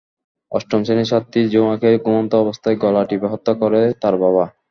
অষ্টম শ্রেণির ছাত্রী ঝুমাকে ঘুমন্ত অবস্থায় গলা টিপে হত্যা করে তার বাবা।